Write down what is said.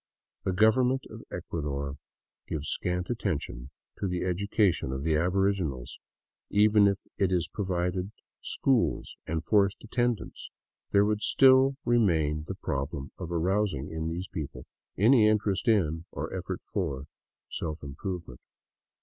The Government of Ecuador gives scant attention to the education of the aboriginals ; even if it provided schools and forced attendance, there would still remain the problem of arousing in these people any interest in, or effort for, self improve ment.